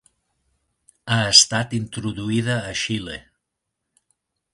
Ha estat introduïda a Xile.